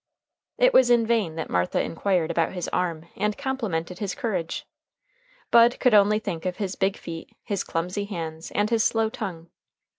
It was in vain that Martha inquired about his arm and complimented his courage. Bud could only think of his big feet, his clumsy hands, and his slow tongue.